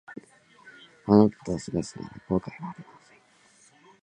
あなたと過ごすなら後悔はありません